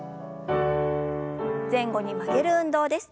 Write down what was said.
前後に曲げる運動です。